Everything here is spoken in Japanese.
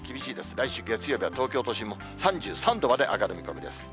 来週月曜日は東京都心も３３度まで上がる見込みです。